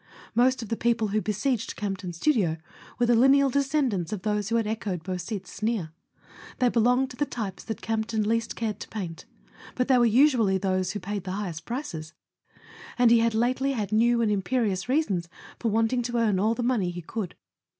Most of the people who besieged Campton's studio were the lineal descendants of those who had echoed Beausite's sneer. They belonged to the types that Campton least cared to paint; but they were usually those who paid the highest prices, and he had lately had new and im¬ perious reasons for wanting to earn all the money he could.